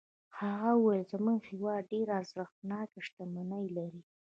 هغه وویل زموږ هېواد ډېرې ارزښتناکې شتمنۍ لري.